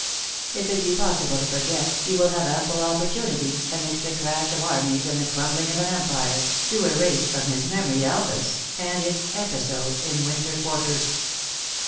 If it be possible to forget, he will have ample oppor tunity, amidst the crash of armies and the crumbling of an empire, to erase from his memory Elvas, and its " episode in winter quarters."